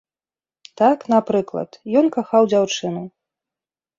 Так, напрыклад, ён кахаў дзяўчыну.